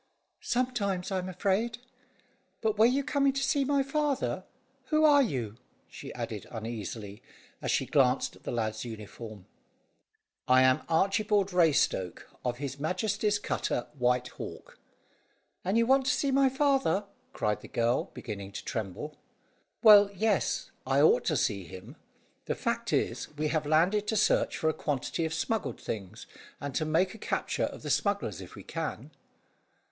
"Sometimes, I'm afraid. But were you coming to see my father? Who are you?" she added uneasily, as she glanced at the lad's uniform. "I am Archibald Raystoke, of His Majesty's cutter White Hawk." "And you want to see my father?" cried the girl, beginning to tremble. "Well, yes, I ought to see him. The fact is, we have landed to search for a quantity of smuggled things, and to make a capture of the smugglers if we can."